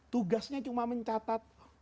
tugasnya cuma mencatat